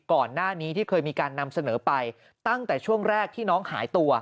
ก่อนหน้านี้ที่เคยมีการนำเสนอไปตั้งแต่ช่วงแรกที่น้องหายตัว